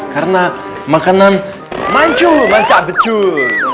karena makanan mancung manca becuk